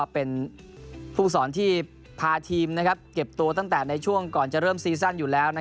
เป็นผู้สอนที่พาทีมเก็บตัวตั้งแต่ในช่วงก่อนจะเริ่มซีซั่นอยู่แล้ว